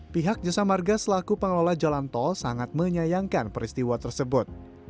pihak jasa marga selaku pengelola jalan tol sangat menyayangkan peristiwa tersebut